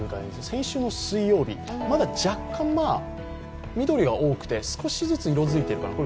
先週の水曜日、まだ若干、緑が多くて、少しずつ色づいているかなと。